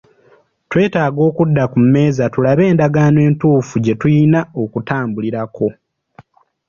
Twetaaga okudda ku mmeeza tulabe endagaano entuufu gye tulina okutambulirako.